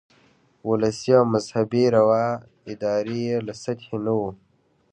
ولسي او مذهبي رواداري یې له سطحې نه وه.